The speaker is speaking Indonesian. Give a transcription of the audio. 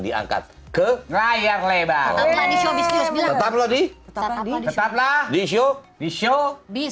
diangkat ke layar lebar tetap lagi tetap lagi tetap lagi di show bisnis bisnis